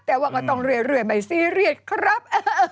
แต่ว่าก็ต้องเรื่อยไม่ซีเรียสครับ